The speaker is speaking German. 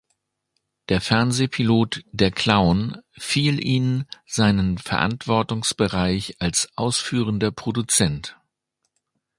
Der Fernseh-Pilot "Der Clown" fiel ihn seinen Verantwortungsbereich als Ausführender Produzent.